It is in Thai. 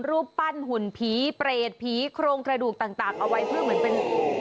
รูปปั้นหุ่นผีเปรตผีโครงกระดูกต่างเอาไว้เพื่อเหมือนเป็น